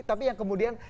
tapi yang kemudian